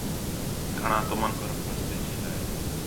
گھݨاں تُمن برف واسطے چین٘دا ہِے